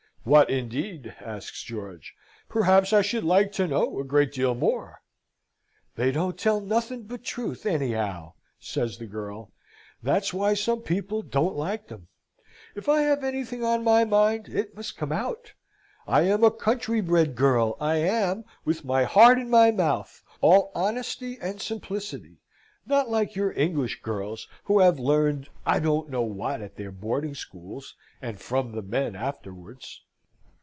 "What, indeed?" asks George. "Perhaps I should like to know a great deal more." "They don't tell nothin' but truth, anyhow!" says the girl; "that's why some people don't like them! If I have anything on my mind, it must come out. I am a country bred girl, I am with my heart in my mouth all honesty and simplicity; not like your English girls, who have learned I don't know what at their boarding schools, and from the men afterwards."